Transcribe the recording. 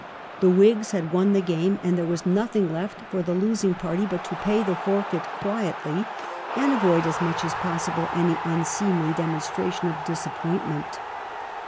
The Whigs had won the game, and there was nothing left for the losing party but to pay the forfeit quietly, and avoid as much as possible any unseemly demonstra tion of disappointment.